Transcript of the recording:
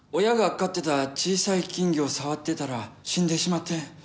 親が飼ってた小さい金魚を触ってたら死んでしまって。